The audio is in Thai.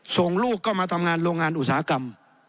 ส่งลูกเข้ามาทำงานโรงงานอุตสาหกรรม